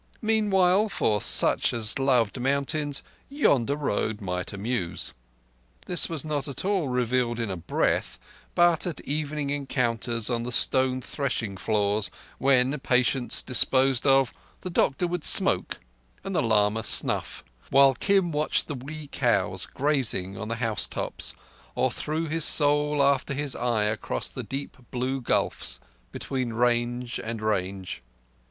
Meantime, for such as loved mountains, yonder road might amuse. This was not all revealed in a breath, but at evening encounters on the stone threshing floors, when, patients disposed of, the doctor would smoke and the lama snuff, while Kim watched the wee cows grazing on the housetops, or threw his soul after his eyes across the deep blue gulfs between range and range.